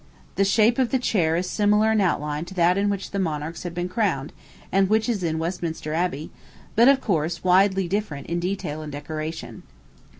The shape of the chair is similar in outline to that in which the monarchs have been crowned, and which is in Westminster Abbey, but, of course, widely different in detail and decoration.